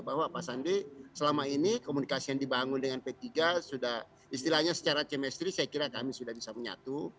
bahwa pak sandi selama ini komunikasi yang dibangun dengan p tiga sudah istilahnya secara chemistry saya kira kami sudah bisa menyatu